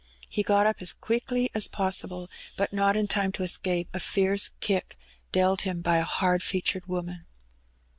He got up as quickly as possible, but not in time to escape a fierce kick dealt him by a hard featured woman.